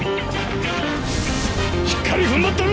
しっかり踏ん張ってろ！